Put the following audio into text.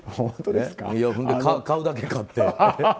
買うだけ買って。